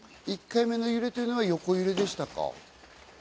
１回目の揺れというのは横揺れでしたか？